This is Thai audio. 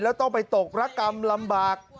แล้วต้องไปตกระกรรมลำบาก